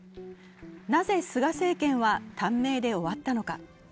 なぜ菅政権は短命で終わったのか。